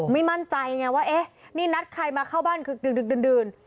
ไม่มั่นใจไงว่าเอ๊ะนี่นัดใครมาเข้าบ้านคือดึกดื่น